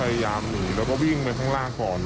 พยายามหนีแล้วก็วิ่งไปข้างล่างก่อน